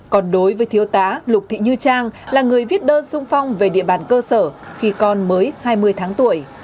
còn đối với thiếu tá lục thị như trang là người viết đơn sung phong về địa bàn cơ sở khi con mới hai mươi tháng tuổi